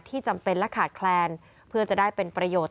จำเป็นและขาดแคลนเพื่อจะได้เป็นประโยชน์